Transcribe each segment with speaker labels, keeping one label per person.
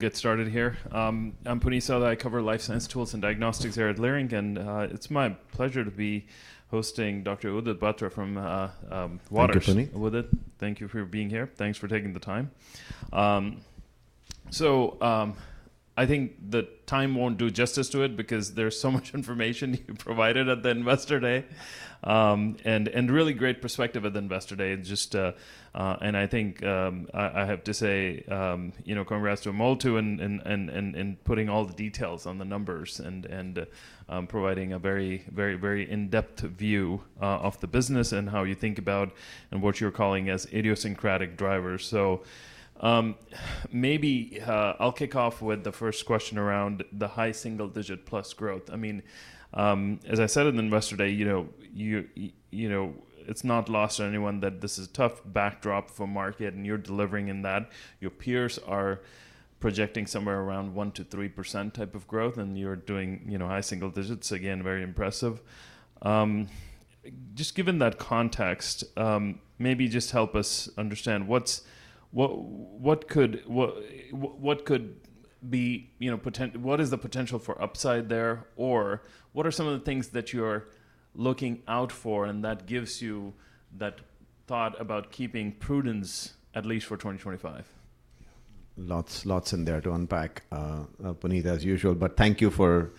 Speaker 1: Get started here. I'm Puneet Souda. I cover life science tools and diagnostics here at Leerink, and it's my pleasure to be hosting Dr. Udit Batra from Waters, Caspar Tudor.
Speaker 2: Thank you, Puneet.
Speaker 1: Thank you for being here. Thanks for taking the time. I think the time won't do justice to it because there's so much information you provided at the Investor Day and really great perspective at the Investor Day. I think I have to say, you know, congrats to Amol too in putting all the details on the numbers and providing a very, very, very in-depth view of the business and how you think about and what you're calling as idiosyncratic drivers. Maybe I'll kick off with the first question around the high single-digit plus growth. I mean, as I said at the Investor Day, you know, it's not lost on anyone that this is a tough backdrop for market and you're delivering in that. Your peers are projecting somewhere around 1%-3% type of growth, and you're doing high single digits, again, very impressive. Just given that context, maybe just help us understand what could be potential, what is the potential for upside there, or what are some of the things that you're looking out for and that gives you that thought about keeping prudence at least for 2025?
Speaker 2: Lots in there to unpack, Puneet, as usual, but thank you for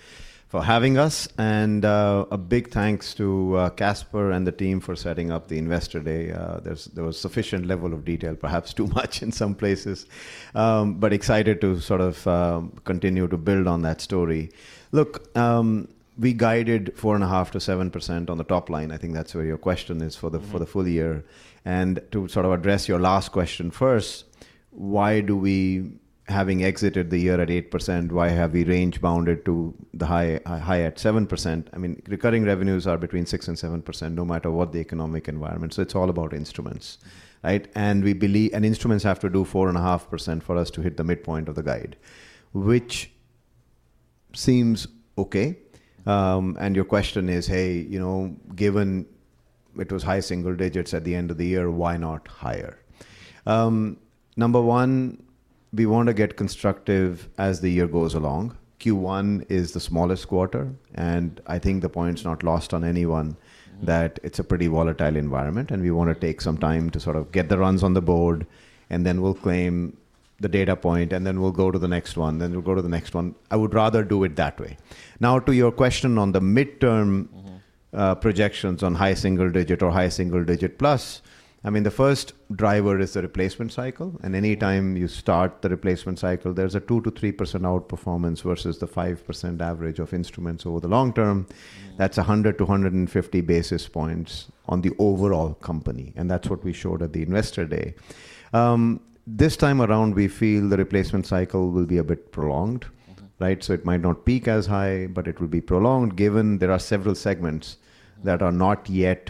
Speaker 2: having us. And a big thanks to Caspar and the team for setting up the Investor Day. There was a sufficient level of detail, perhaps too much in some places, but excited to sort of continue to build on that story. Look, we guided 4.5%-7% on the top line. I think that's where your question is for the full year. And to sort of address your last question first, why do we, having exited the year at 8%, why have we range bound it to the high at 7%? I mean, recurring revenues are between 6% and 7% no matter what the economic environment. So it's all about instruments, right? And instruments have to do 4.5% for us to hit the midpoint of the guide, which seems okay. Your question is, hey, you know, given it was high single digits at the end of the year, why not higher? Number one, we want to get constructive as the year goes along. Q1 is the smallest quarter, and I think the point's not lost on anyone that it's a pretty volatile environment, and we want to take some time to sort of get the runs on the board, and then we'll claim the data point, and then we'll go to the next one, then we'll go to the next one. I would rather do it that way. Now, to your question on the midterm projections on high single digit or high single digit plus, I mean, the first driver is the replacement cycle, and anytime you start the replacement cycle, there's a 2%-3% outperformance versus the 5% average of instruments over the long term. That's 100 to 150 basis points on the overall company, and that's what we showed at the Investor Day. This time around, we feel the replacement cycle will be a bit prolonged, right? It might not peak as high, but it will be prolonged given there are several segments that are not yet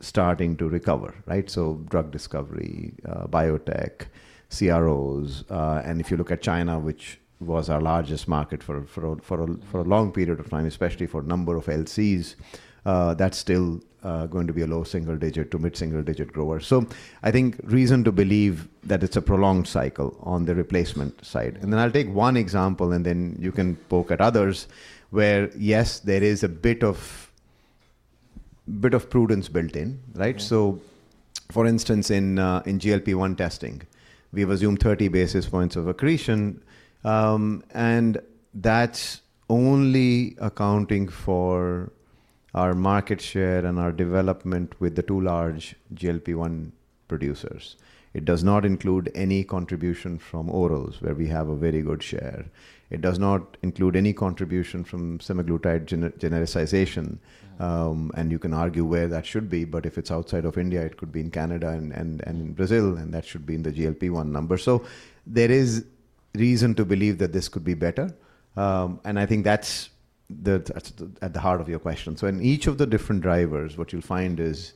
Speaker 2: starting to recover, right? Drug discovery, biotech, CROs, and if you look at China, which was our largest market for a long period of time, especially for a number of LCs, that's still going to be a low single digit to mid single digit grower. I think reason to believe that it's a prolonged cycle on the replacement side. I'll take one example, and then you can poke at others where, yes, there is a bit of prudence built in, right? For instance, in GLP-1 testing, we've assumed 30 basis points of accretion, and that's only accounting for our market share and our development with the two large GLP-1 producers. It does not include any contribution from orals where we have a very good share. It does not include any contribution from semaglutide genericization, and you can argue where that should be, but if it's outside of India, it could be in Canada and in Brazil, and that should be in the GLP-1 number. There is reason to believe that this could be better, and I think that's at the heart of your question. In each of the different drivers, what you'll find is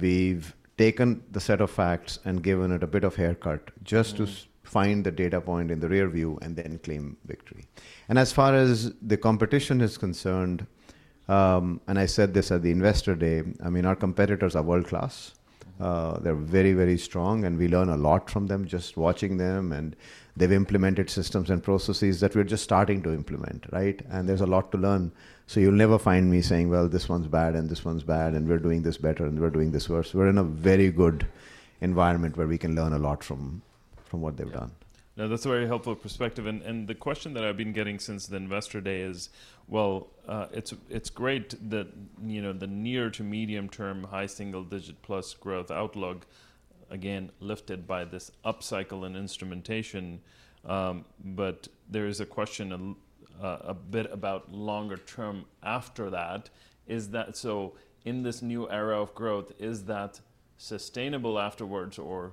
Speaker 2: we've taken the set of facts and given it a bit of haircut just to find the data point in the rearview and then claim victory. As far as the competition is concerned, and I said this at the Investor Day, I mean, our competitors are world-class. They're very, very strong, and we learn a lot from them just watching them, and they've implemented systems and processes that we're just starting to implement, right? There's a lot to learn. You'll never find me saying, well, this one's bad and this one's bad, and we're doing this better and we're doing this worse. We're in a very good environment where we can learn a lot from what they've done.
Speaker 1: No, that's a very helpful perspective. The question that I've been getting since the Investor Day is, well, it's great that the near to medium-term high single digit plus growth outlook, again, lifted by this upcycle in instrumentation, but there is a question a bit about longer term after that. In this new era of growth, is that sustainable afterwards, or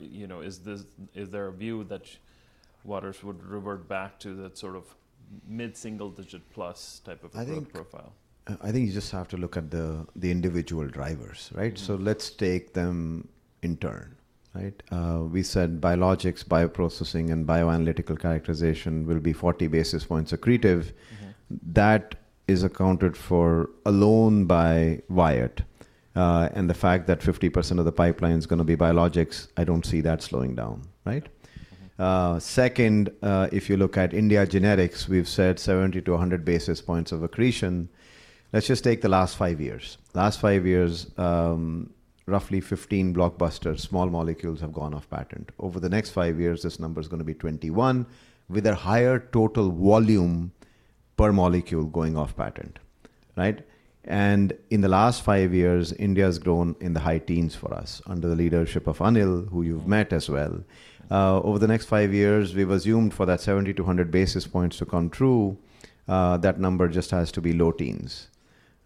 Speaker 1: is there a view that Waters would revert back to that sort of mid single digit plus type of growth profile?
Speaker 2: I think you just have to look at the individual drivers, right? Let's take them in turn, right? We said biologics, bioprocessing, and bioanalytical characterization will be 40 basis points accretive. That is accounted for alone by Wyatt, and the fact that 50% of the pipeline is going to be biologics, I don't see that slowing down, right? Second, if you look at Indian generics, we've said 70 to 100 basis points of accretion. Let's just take the last five years. Last five years, roughly 15 blockbuster small molecules have gone off patent. Over the next five years, this number is going to be 21 with a higher total volume per molecule going off patent, right? In the last five years, India has grown in the high teens for us under the leadership of Anil, who you've met as well. Over the next five years, we've assumed for that 70-100 basis points to come true, that number just has to be low teens,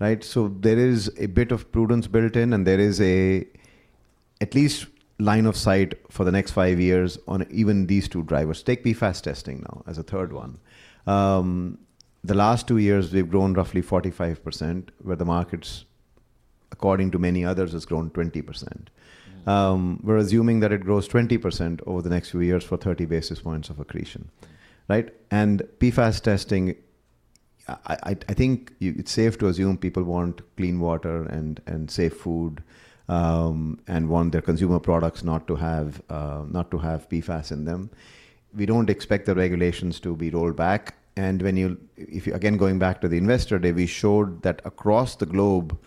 Speaker 2: right? So there is a bit of prudence built in, and there is at least line of sight for the next five years on even these two drivers. Take PFAS testing now as a third one. The last two years, we've grown roughly 45%, where the markets, according to many others, has grown 20%. We're assuming that it grows 20% over the next few years for 30 basis points of accretion, right? And PFAS testing, I think it's safe to assume people want clean water and safe food and want their consumer products not to have PFAS in them. We don't expect the regulations to be rolled back. Again, going back to the Investor Day, we showed that across the globe,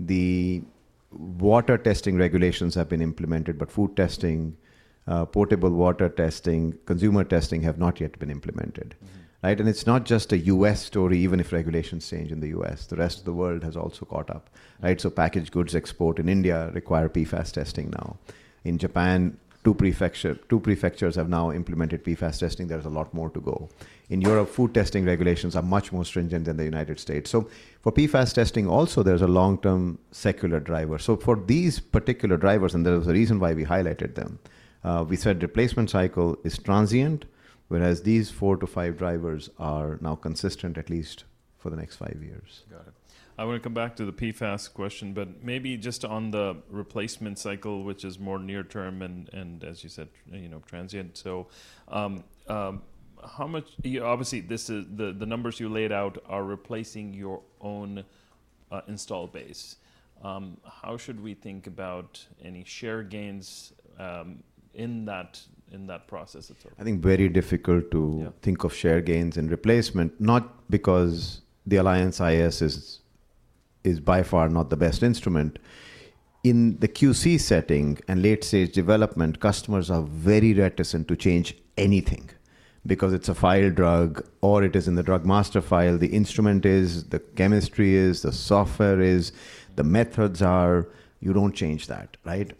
Speaker 2: the water testing regulations have been implemented, but food testing, potable water testing, consumer testing have not yet been implemented, right? It is not just a U.S. story, even if regulations change in the U.S. The rest of the world has also caught up, right? Packaged goods export in India require PFAS testing now. In Japan, two prefectures have now implemented PFAS testing. There is a lot more to go. In Europe, food testing regulations are much more stringent than the United States. For PFAS testing also, there is a long-term secular driver. For these particular drivers, and there is a reason why we highlighted them, we said replacement cycle is transient, whereas these four to five drivers are now consistent at least for the next five years.
Speaker 1: Got it. I want to come back to the PFAS question, but maybe just on the replacement cycle, which is more near term and, as you said, transient. Obviously, the numbers you laid out are replacing your own install base. How should we think about any share gains in that process itself?
Speaker 2: I think very difficult to think of share gains and replacement, not because the Alliance iS is by far not the best instrument. In the QC setting and late-stage development, customers are very reticent to change anything because it's a file drug or it is in the drug master file. The instrument is, the chemistry is, the software is, the methods are. You do not change that, right?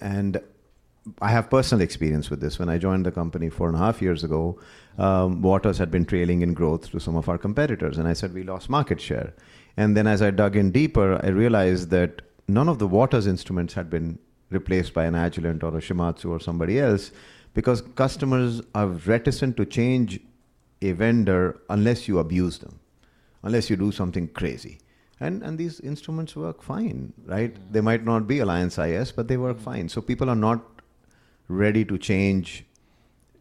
Speaker 2: I have personal experience with this. When I joined the company four and a half years ago, Waters had been trailing in growth to some of our competitors, and I said we lost market share. As I dug in deeper, I realized that none of the Waters instruments had been replaced by an Agilent or a Shimadzu or somebody else because customers are reticent to change a vendor unless you abuse them, unless you do something crazy. These instruments work fine, right? They might not be Alliance iS, but they work fine. People are not ready to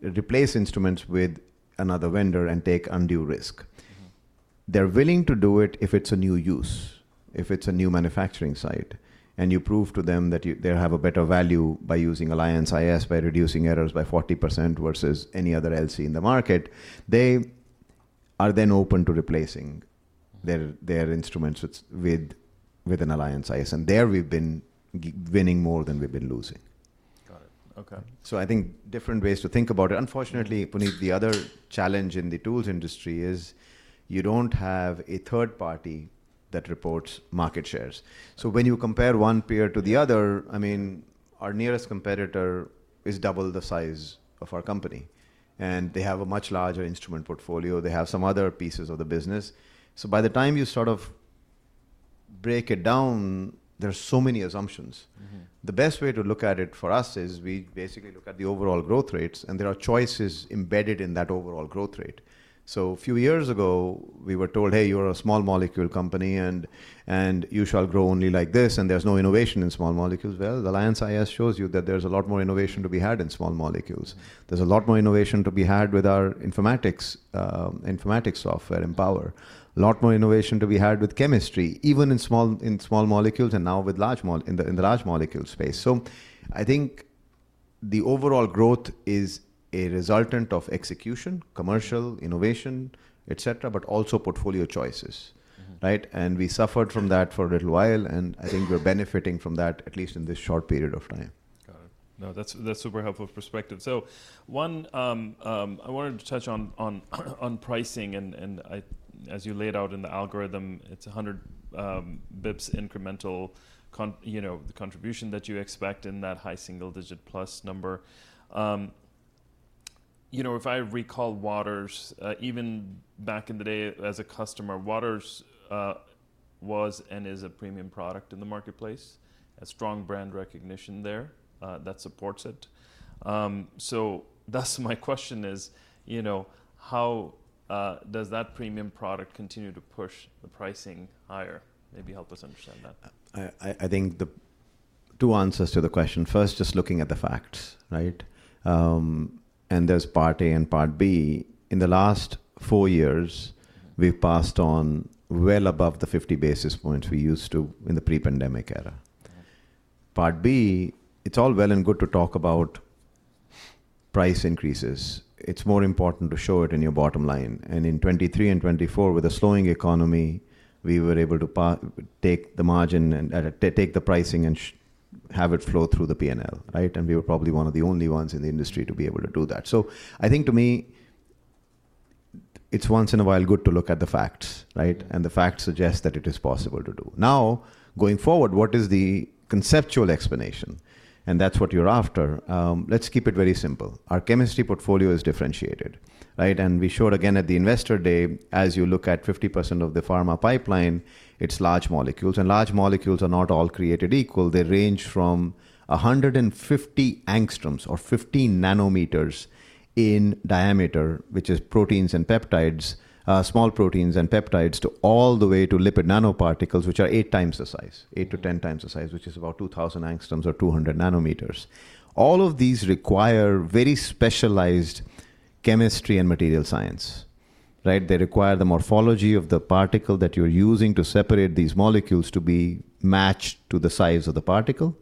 Speaker 2: replace instruments with another vendor and take undue risk. They're willing to do it if it's a new use, if it's a new manufacturing site, and you prove to them that they have a better value by using Alliance iS, by reducing errors by 40% versus any other LC in the market. They are then open to replacing their instruments with an Alliance iS, and there we've been winning more than we've been losing.
Speaker 1: Got it. Okay.
Speaker 2: I think different ways to think about it. Unfortunately, Puneet, the other challenge in the tools industry is you do not have a third party that reports market shares. When you compare one peer to the other, I mean, our nearest competitor is double the size of our company, and they have a much larger instrument portfolio. They have some other pieces of the business. By the time you sort of break it down, there are so many assumptions. The best way to look at it for us is we basically look at the overall growth rates, and there are choices embedded in that overall growth rate. A few years ago, we were told, hey, you are a small molecule company, and you shall grow only like this, and there is no innovation in small molecules. The Alliance iS shows you that there's a lot more innovation to be had in small molecules. There's a lot more innovation to be had with our informatics software Empower. A lot more innovation to be had with chemistry, even in small molecules and now in the large molecule space. I think the overall growth is a resultant of execution, commercial innovation, etc., but also portfolio choices, right? We suffered from that for a little while, and I think we're benefiting from that at least in this short period of time.
Speaker 1: Got it. No, that's a super helpful perspective. One, I wanted to touch on pricing, and as you laid out in the algorithm, it's 100 basis points incremental contribution that you expect in that high single digit plus number. You know, if I recall Waters, even back in the day as a customer, Waters was and is a premium product in the marketplace, a strong brand recognition there that supports it. That's my question, you know, how does that premium product continue to push the pricing higher? Maybe help us understand that.
Speaker 2: I think the two answers to the question, first, just looking at the facts, right? There is Part A and Part B. In the last four years, we have passed on well above the 50 basis points we used to in the pre-pandemic era. Part B, it is all well and good to talk about price increases. It is more important to show it in your bottom line. In 2023 and 2024, with a slowing economy, we were able to take the margin and take the pricing and have it flow through the P&L, right? We were probably one of the only ones in the industry to be able to do that. I think to me, it is once in a while good to look at the facts, right? The facts suggest that it is possible to do. Now, going forward, what is the conceptual explanation? That's what you're after. Let's keep it very simple. Our chemistry portfolio is differentiated, right? We showed again at the Investor Day, as you look at 50% of the pharma pipeline, it's large molecules, and large molecules are not all created equal. They range from 150 angstroms or 15 nanometers in diameter, which is proteins and peptides, small proteins and peptides, to all the way to lipid nanoparticles, which are 8 times the size, eight to 10 times the size, which is about 2,000 angstroms or 200 nanometers. All of these require very specialized chemistry and material science, right? They require the morphology of the particle that you're using to separate these molecules to be matched to the size of the particle,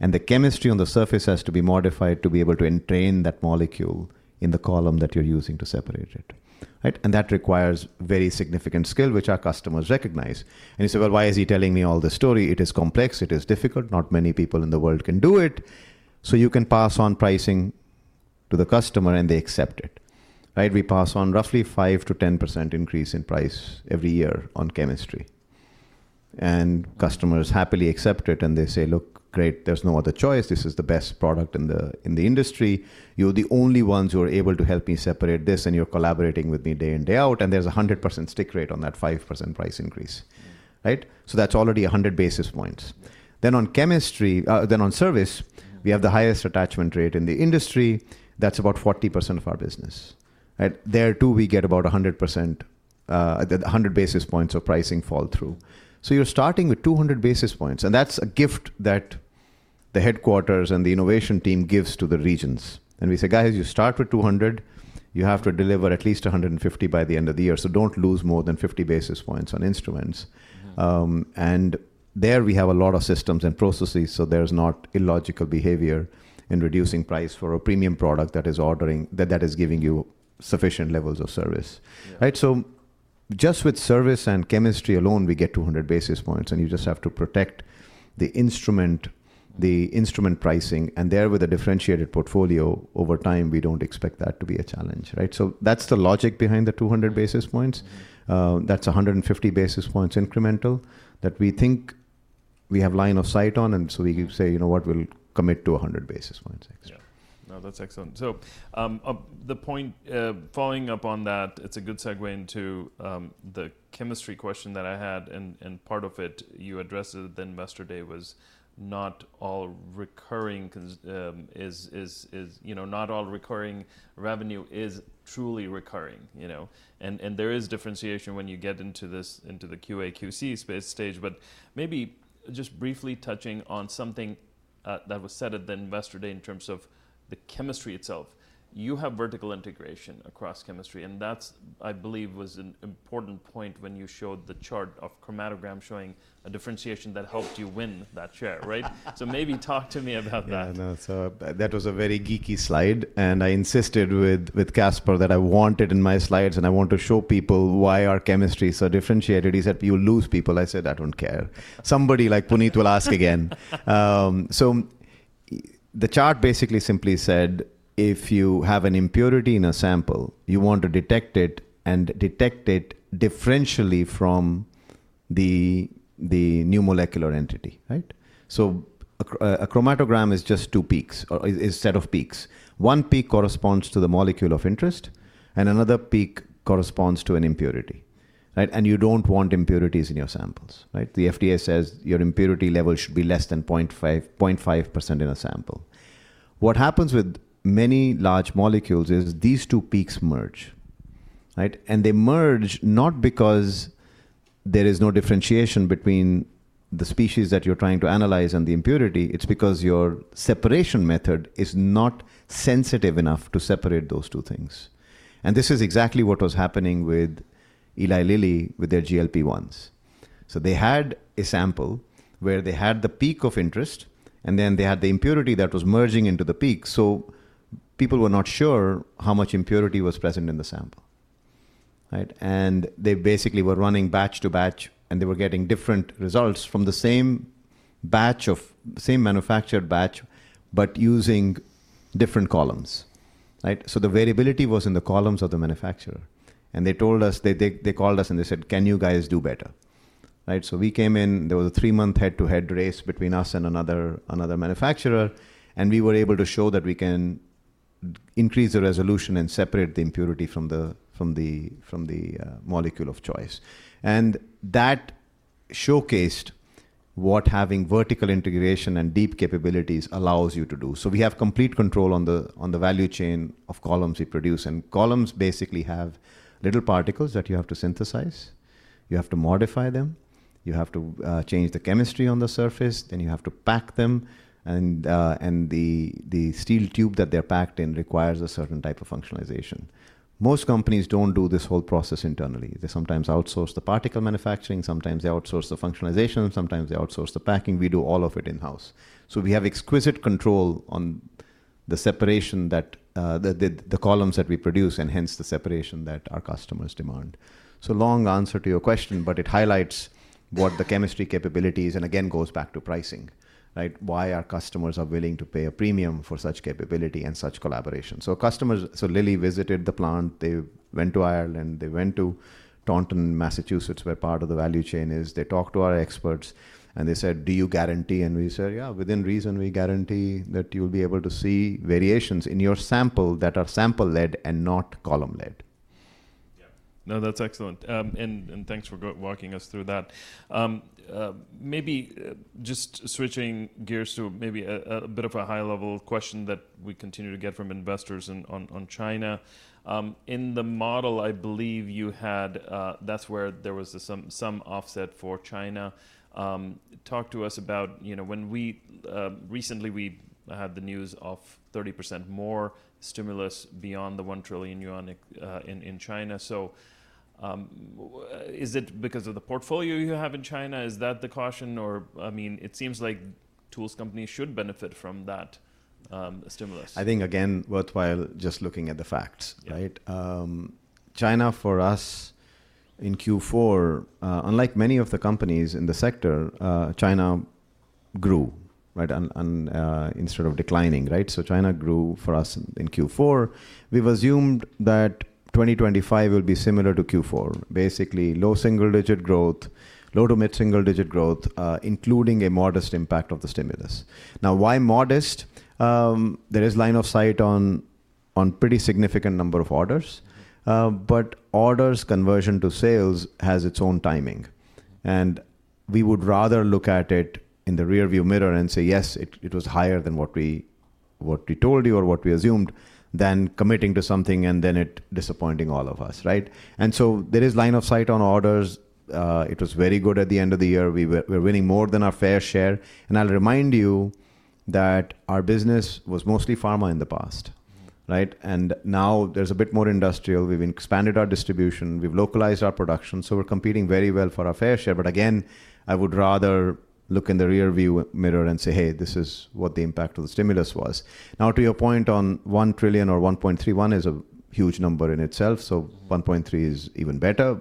Speaker 2: and the chemistry on the surface has to be modified to be able to entrain that molecule in the column that you're using to separate it, right? That requires very significant skill, which our customers recognize. You say, why is he telling me all this story? It is complex. It is difficult. Not many people in the world can do it. You can pass on pricing to the customer, and they accept it, right? We pass on roughly 5%-10% increase in price every year on chemistry, and customers happily accept it, and they say, look, great, there's no other choice. This is the best product in the industry. You're the only ones who are able to help me separate this, and you're collaborating with me day in, day out, and there's a 100% stick rate on that 5% price increase, right? That's already 100 basis points. On service, we have the highest attachment rate in the industry. That's about 40% of our business, right? There too, we get about 100 basis points of pricing fall through. You're starting with 200 basis points, and that's a gift that the headquarters and the innovation team gives to the regions. We say, guys, you start with 200. You have to deliver at least 150 by the end of the year. Do not lose more than 50 basis points on instruments. There we have a lot of systems and processes, so there's not illogical behavior in reducing price for a premium product that is giving you sufficient levels of service, right? Just with service and chemistry alone, we get 200 basis points, and you just have to protect the instrument pricing. There with a differentiated portfolio over time, we don't expect that to be a challenge, right? That's the logic behind the 200 basis points. That's 150 basis points incremental that we think we have line of sight on, and we say, you know what, we'll commit to 100 basis points.
Speaker 1: Yeah. No, that's excellent. The point following up on that, it's a good segue into the chemistry question that I had, and part of it you addressed at the Investor Day was not all recurring revenue is truly recurring, you know? There is differentiation when you get into the QA QC stage. Maybe just briefly touching on something that was said at the Investor Day in terms of the chemistry itself. You have vertical integration across chemistry, and that, I believe, was an important point when you showed the chart of chromatogram showing a differentiation that helped you win that share, right? Maybe talk to me about that.
Speaker 2: Yeah, no, that was a very geeky slide, and I insisted with Caspar that I want it in my slides, and I want to show people why our chemistry is so differentiated. He said, you lose people. I said, I don't care. Somebody like Puneet will ask again. The chart basically simply said, if you have an impurity in a sample, you want to detect it and detect it differentially from the new molecular entity, right? A chromatogram is just two peaks or a set of peaks. One peak corresponds to the molecule of interest, and another peak corresponds to an impurity, right? You don't want impurities in your samples, right? The FDA says your impurity level should be less than 0.5% in a sample. What happens with many large molecules is these two peaks merge, right? They merge not because there is no differentiation between the species that you're trying to analyze and the impurity. It's because your separation method is not sensitive enough to separate those two things. This is exactly what was happening with Eli Lilly with their GLP-1s. They had a sample where they had the peak of interest, and then they had the impurity that was merging into the peak. People were not sure how much impurity was present in the sample, right? They basically were running batch to batch, and they were getting different results from the same manufactured batch, but using different columns, right? The variability was in the columns of the manufacturer. They told us, they called us, and they said, can you guys do better, right? We came in, there was a three-month head-to-head race between us and another manufacturer, and we were able to show that we can increase the resolution and separate the impurity from the molecule of choice. That showcased what having vertical integration and deep capabilities allows you to do. We have complete control on the value chain of columns we produce, and columns basically have little particles that you have to synthesize. You have to modify them. You have to change the chemistry on the surface. You have to pack them, and the steel tube that they're packed in requires a certain type of functionalization. Most companies do not do this whole process internally. They sometimes outsource the particle manufacturing. Sometimes they outsource the functionalization. Sometimes they outsource the packing. We do all of it in-house. We have exquisite control on the separation that the columns that we produce and hence the separation that our customers demand. Long answer to your question, but it highlights what the chemistry capabilities and again goes back to pricing, right? Why our customers are willing to pay a premium for such capability and such collaboration. Customers, Lilly visited the plant. They went to Ireland. They went to Taunton, Massachusetts, where part of the value chain is. They talked to our experts, and they said, do you guarantee? And we said, yeah, within reason. We guarantee that you'll be able to see variations in your sample that are sample-led and not column-led.
Speaker 1: Yeah. No, that's excellent. Thanks for walking us through that. Maybe just switching gears to maybe a bit of a high-level question that we continue to get from investors on China. In the model, I believe you had, that's where there was some offset for China. Talk to us about, you know, when we recently had the news of 30% more stimulus beyond the 1 trillion yuan in China. Is it because of the portfolio you have in China? Is that the caution? I mean, it seems like tools companies should benefit from that stimulus.
Speaker 2: I think again, worthwhile just looking at the facts, right? China for us in Q4, unlike many of the companies in the sector, China grew, right, instead of declining, right? China grew for us in Q4. We've assumed that 2025 will be similar to Q4, basically low single-digit growth, low to mid-single-digit growth, including a modest impact of the stimulus. Now, why modest? There is line of sight on pretty significant number of orders, but orders' conversion to sales has its own timing. We would rather look at it in the rearview mirror and say, yes, it was higher than what we told you or what we assumed than committing to something and then it disappointing all of us, right? There is line of sight on orders. It was very good at the end of the year. We were winning more than our fair share. I'll remind you that our business was mostly pharma in the past, right? Now there's a bit more industrial. We've expanded our distribution. We've localized our production. We're competing very well for our fair share. I would rather look in the rearview mirror and say, hey, this is what the impact of the stimulus was. To your point on $1 trillion or $1.3 trillion, $1 trillion is a huge number in itself. $1.3 trillion is even better.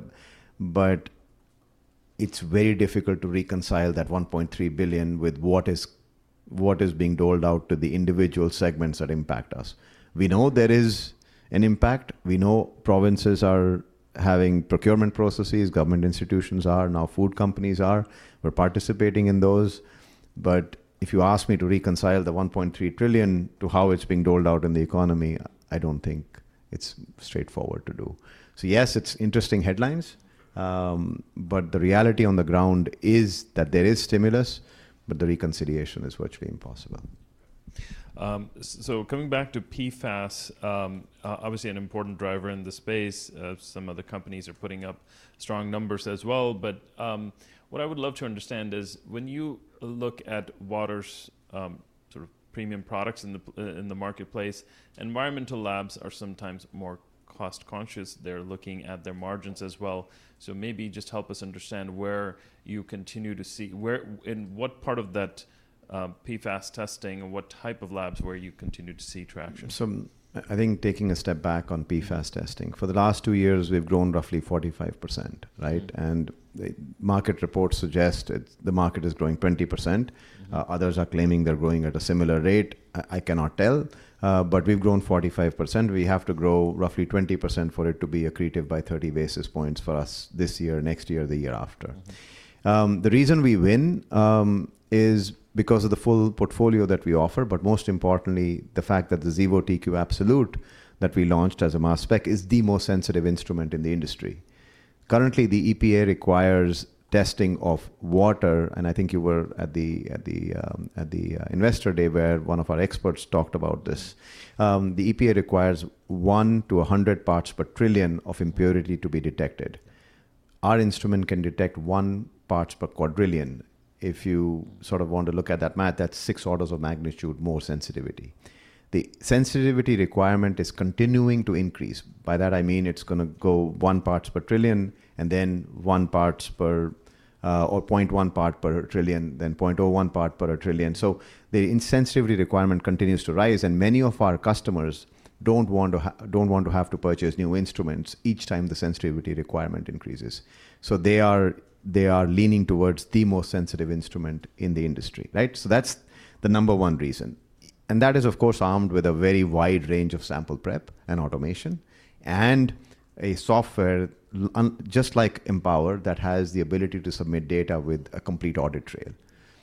Speaker 2: It's very difficult to reconcile that $1.3 billion with what is being doled out to the individual segments that impact us. We know there is an impact. We know provinces are having procurement processes. Government institutions are. Now, food companies are. We're participating in those. If you ask me to reconcile the $1.3 trillion to how it's being doled out in the economy, I don't think it's straightforward to do. Yes, it's interesting headlines, but the reality on the ground is that there is stimulus, but the reconciliation is virtually impossible.
Speaker 1: Coming back to PFAS, obviously an important driver in the space. Some of the companies are putting up strong numbers as well. What I would love to understand is when you look at Waters' sort of premium products in the marketplace, environmental labs are sometimes more cost-conscious. They are looking at their margins as well. Maybe just help us understand where you continue to see, in what part of that PFAS testing and what type of labs, where you continue to see traction.
Speaker 2: I think taking a step back on PFAS testing, for the last two years, we've grown roughly 45%, right? Market reports suggest the market is growing 20%. Others are claiming they're growing at a similar rate. I cannot tell, but we've grown 45%. We have to grow roughly 20% for it to be accretive by 30 basis points for us this year, next year, the year after. The reason we win is because of the full portfolio that we offer, but most importantly, the fact that the Xevo TQ Absolute that we launched as a mass spec is the most sensitive instrument in the industry. Currently, the EPA requires testing of water, and I think you were at the Investor Day where one of our experts talked about this. The EPA requires one to 100 parts per trillion of impurity to be detected. Our instrument can detect 1 part per quadrillion. If you sort of want to look at that math, that's six orders of magnitude more sensitivity. The sensitivity requirement is continuing to increase. By that, I mean it's going to go 1 part per trillion and then 1 part per 0.1 part per trillion, then 0.01 part per trillion. The sensitivity requirement continues to rise, and many of our customers don't want to have to purchase new instruments each time the sensitivity requirement increases. They are leaning towards the most sensitive instrument in the industry, right? That's the number one reason. That is, of course, armed with a very wide range of sample prep and automation and a software just like Empower that has the ability to submit data with a complete audit trail,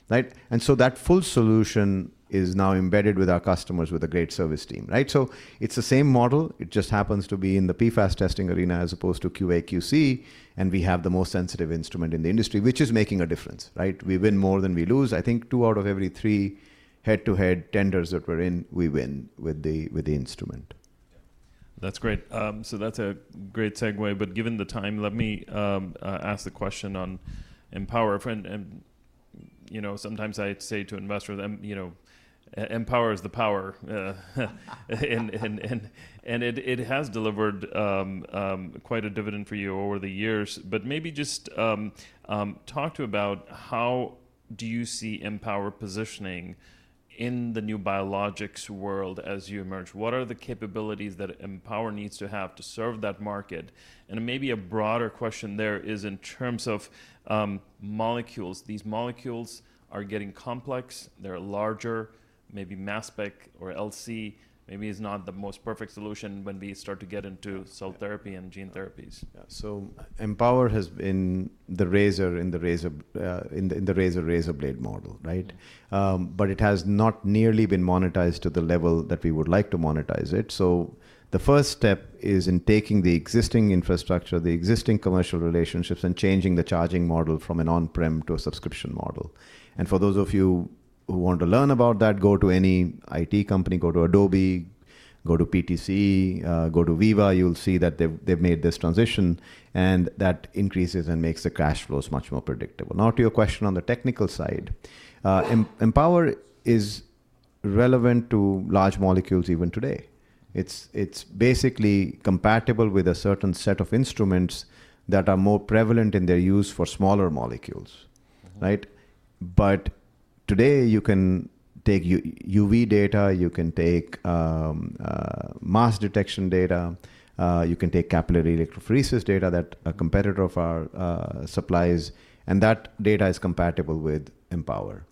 Speaker 2: right? That full solution is now embedded with our customers with a great service team, right? It is the same model. It just happens to be in the PFAS testing arena as opposed to QA/QC, and we have the most sensitive instrument in the industry, which is making a difference, right? We win more than we lose. I think two out of every three head-to-head tenders that we are in, we win with the instrument.
Speaker 1: That's great. That's a great segue. Given the time, let me ask the question on Empower. Sometimes I say to investors, Empower is the power, and it has delivered quite a dividend for you over the years. Maybe just talk about how you see Empower positioning in the new biologics world as you emerge. What are the capabilities that Empower needs to have to serve that market? Maybe a broader question there is in terms of molecules. These molecules are getting complex. They're larger. Maybe mass spec or LC maybe is not the most perfect solution when we start to get into cell therapy and gene therapies. Yeah.
Speaker 2: Empower has been the razor in the razor razor blade model, right? It has not nearly been monetized to the level that we would like to monetize it. The first step is in taking the existing infrastructure, the existing commercial relationships, and changing the charging model from an on-prem to a subscription model. For those of you who want to learn about that, go to any IT company, go to Adobe, go to PTC, go to Veeva. You'll see that they've made this transition, and that increases and makes the cash flows much more predictable. Now, to your question on the technical side, Empower is relevant to large molecules even today. It's basically compatible with a certain set of instruments that are more prevalent in their use for smaller molecules, right? Today, you can take UV data. You can take mass detection data. You can take capillary electrophoresis data that a competitor of ours supplies. That data is compatible with Empower.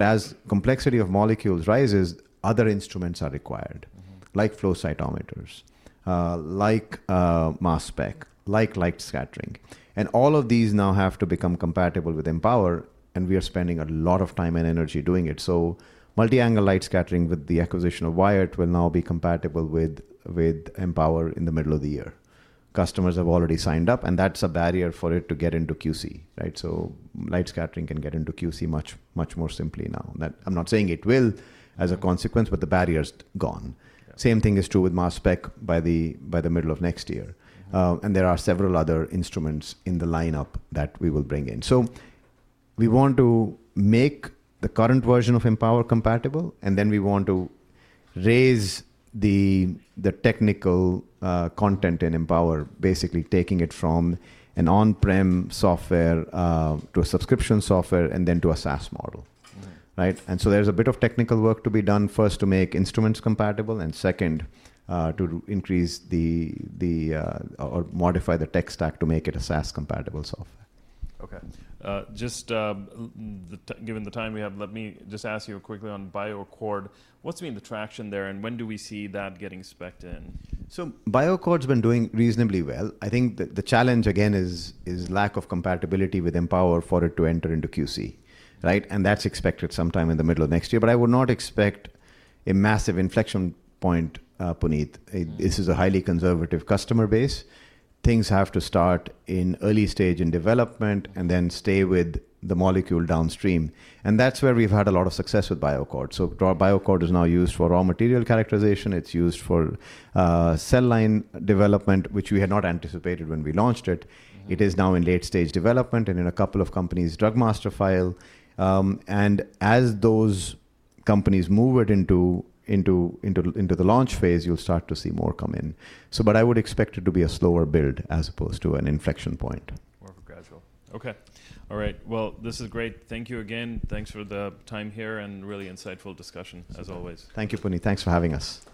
Speaker 2: As complexity of molecules rises, other instruments are required, like flow cytometers, like mass spec, like light scattering. All of these now have to become compatible with Empower, and we are spending a lot of time and energy doing it. Multi-angle light scattering with the acquisition of Wyatt will now be compatible with Empower in the middle of the year. Customers have already signed up, and that's a barrier for it to get into QC, right? Light scattering can get into QC much more simply now. I'm not saying it will as a consequence, but the barrier's gone. The same thing is true with mass spec by the middle of next year. There are several other instruments in the lineup that we will bring in. We want to make the current version of Empower compatible, and then we want to raise the technical content in Empower, basically taking it from an on-prem software to a subscription software and then to a SaaS model, right? There is a bit of technical work to be done first to make instruments compatible and second to increase the or modify the tech stack to make it a SaaS-compatible software.
Speaker 1: Okay. Just given the time we have, let me just ask you quickly on BioAccord. What's been the traction there, and when do we see that getting specked in?
Speaker 2: BioAccord's been doing reasonably well. I think the challenge again is lack of compatibility with Empower for it to enter into QC, right? That's expected sometime in the middle of next year. I would not expect a massive inflection point, Puneet. This is a highly conservative customer base. Things have to start in early stage in development and then stay with the molecule downstream. That's where we've had a lot of success with BioAccord. BioAccord is now used for raw material characterization. It's used for cell line development, which we had not anticipated when we launched it. It is now in late stage development and in a couple of companies' drug master file. As those companies move it into the launch phase, you'll start to see more come in. I would expect it to be a slower build as opposed to an inflection point.
Speaker 1: More gradual. Okay. All right. This is great. Thank you again. Thanks for the time here and really insightful discussion as always.
Speaker 2: Thank you, Puneet. Thanks for having us.